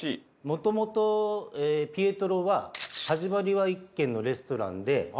もともとピエトロは始まりは１軒のレストランで。